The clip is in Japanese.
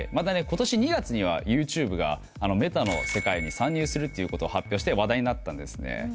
今年２月にはＹｏｕＴｕｂｅがメタの世界に参入するっていうことを発表して話題になったんですね